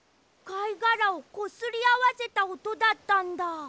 かいがらをこすりあわせたおとだったんだ。